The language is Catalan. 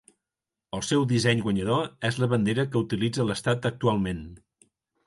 El seu disseny guanyador és la bandera que utilitza l'estat actualment.